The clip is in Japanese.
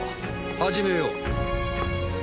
始めよう。